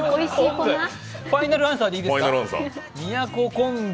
ファイナルアンサーでいいですか？